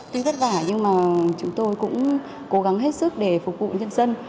tuy vất vả nhưng mà chúng tôi cũng cố gắng hết sức để phục vụ nhân dân